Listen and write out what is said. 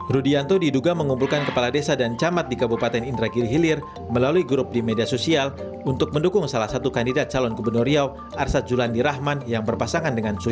rudianto diduga mengumpulkan kepala desa dan camat di kabupaten indragiri hilir melalui grup di media sosial untuk mendukung salah satu kandidat calon gubernur riau arsad julandi rahman yang berpasangan dengan sudir